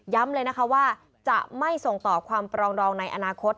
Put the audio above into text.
เลยนะคะว่าจะไม่ส่งต่อความปรองดองในอนาคต